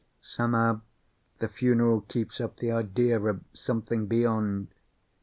Somehow the funeral keeps up the idea of something beyond.